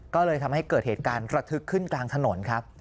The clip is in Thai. ก็เลยทำให้เกิดเหตุการณ์ระทึกขึ้นกลางถนนครับ